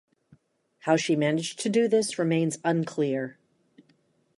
How she managed to do this remains unclear.